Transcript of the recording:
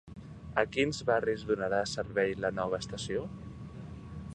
A quins barris donarà servei la nova estació?